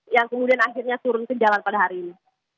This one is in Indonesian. yang kemudian akhirnya turun ke jalan pada hari ini